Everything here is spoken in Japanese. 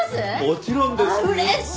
もちろんです。